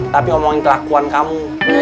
tapi omongin kerakuan kamu